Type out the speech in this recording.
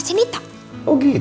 terima kasih ya